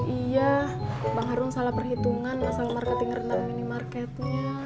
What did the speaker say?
iya bang harun salah perhitungan masalah marketing renang minimarketnya